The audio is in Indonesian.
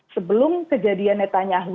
sebelum kejadian netanyahu